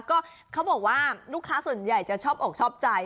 ก็เขาบอกว่าลูกค้าส่วนใหญ่จะชอบอกชอบใจ